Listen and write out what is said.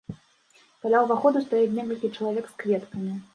Каля ўваходу стаяць некалькі чалавек з кветкамі.